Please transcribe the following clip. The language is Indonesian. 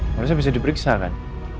harusnya bisa diperiksa kan